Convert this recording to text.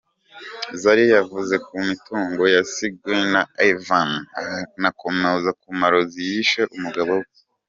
Zari yavuze ku mitungo yasigiwe na Ivan anakomoza ku marozi yishe umugabo we.